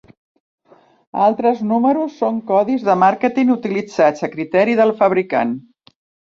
Altres números són codis de màrqueting utilitzats a criteri del fabricant.